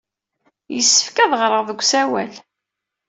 Yessefk ad ɣreɣ deg usawal.